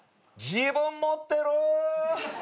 自分持ってる。